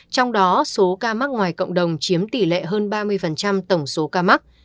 trong đó số ca mắc ngoài cộng đồng chiếm tỷ lệ hơn ba mươi tổng số ca mắc